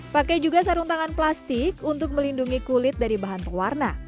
pakai juga sarung tangan plastik untuk melindungi kulit dari bahan pewarna